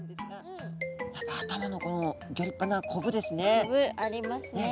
やっぱ頭のこのギョ立派なコブですね。